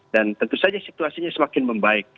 dan tentu saja situasinya semakin membaik